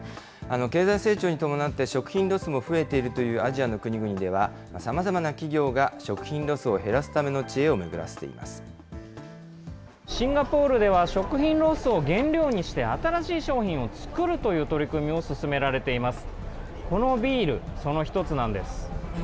経済成長に伴って、食品ロスも増えているというアジアの国々では、さまざまな企業が、食品ロスを減らすための知恵を巡らせてシンガポールでは、食品ロスを原料にして新しい商品を作るという取り組みが進められています。